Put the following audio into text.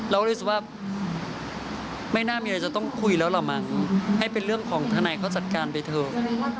เรารู้สึกว่าไม่น่ามีอะไรจะต้องคุยแล้วหรอกมั้งให้เป็นเรื่องของทนายเขาจัดการไปเถอะ